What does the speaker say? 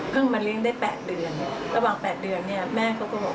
มาเลี้ยงได้๘เดือนระหว่าง๘เดือนเนี่ยแม่เขาก็บอก